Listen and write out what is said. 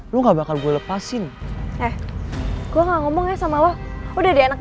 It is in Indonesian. lo ke arah sana